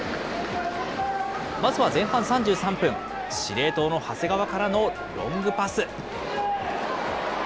まずは前半３３分、司令塔の長谷川からのロングパス。